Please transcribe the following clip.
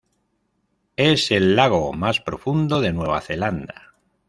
Es el lago más profundo de Nueva Zelanda.